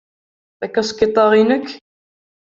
Takaskiṭ-a inek?